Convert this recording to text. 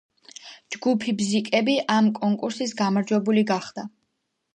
ჯგუფი „ბზიკები“ ამ კონკურსის გამარჯვებული გახდა.